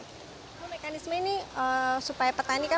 ibu mekanisme ini supaya petani kan